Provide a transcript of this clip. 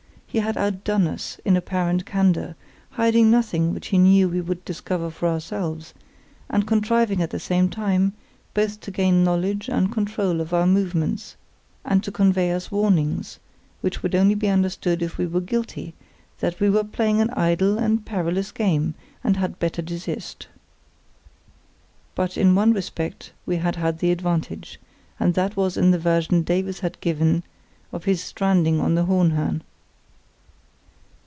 He had outdone us in apparent candour, hiding nothing which he knew we would discover for ourselves, and contriving at the same time both to gain knowledge and control of our movements, and to convey us warnings, which would only be understood if we were guilty, that we were playing an idle and perilous game, and had better desist. But in one respect we had had the advantage, and that was in the version Davies had given of his stranding on the Hohenhörn.